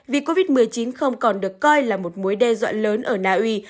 vì covid một mươi chín không còn được coi là một mối đe dọa lớn ở naui